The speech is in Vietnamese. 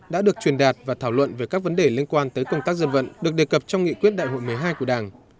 đã được truyền đạt và thảo luận về các vấn đề liên quan tới công tác dân vận được đề cập trong nghị quyết đại hội một mươi hai của đảng